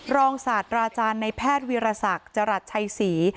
รองศาสตราจารย์ในแพทย์วิรสักจรัสชัยศรี